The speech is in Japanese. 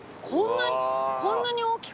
こんなに。